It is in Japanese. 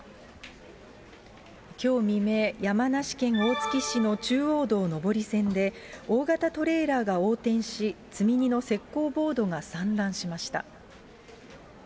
きょう未明、山梨県大月市の中央道上り線で、大型トレーラーが横転し、積み荷の石膏ボードが散乱しました。